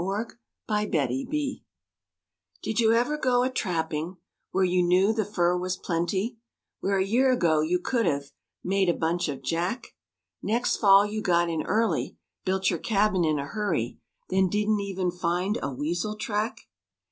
*ADVENTURER'S LUCK* Did you ever go a trapping Where you knew the fur was plenty, Where a year ago you could have Made a bunch of "jack"? Next fall you got in early, Built your cabin in a hurry,— Then didn't even find a weasel track?